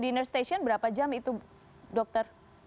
di nurse station berapa jam itu dokter